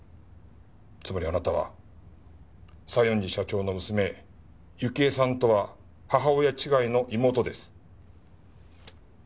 つまりあなたは西園寺社長の娘幸恵さんとは母親違いの妹です。